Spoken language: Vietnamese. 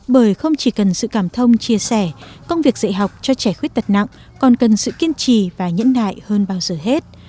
bởi không chỉ cần sự cảm thông chia sẻ công việc dạy học cho trẻ khuyết tật nặng còn cần sự kiên trì và nhẫn đại hơn bao giờ hết